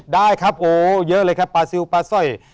ได้ครับโอ้เยอะเลยครับปลาซิลปลาสร้อย